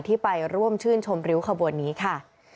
ที่ไปร่วมชื่นชมริ้วขบวนนี้ค่ะ